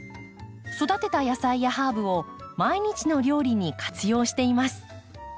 育てた野菜やハーブを毎日の料理に活用しています。